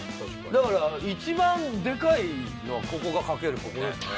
だから一番でかいのはここが描けるもんね。